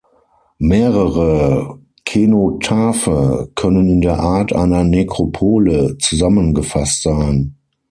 Mehrere Kenotaphe können in der Art einer Nekropole zusammengefasst sein.